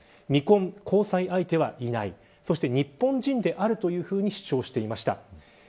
未婚、交際相手はいないそして日本人であるというふうに主張していました。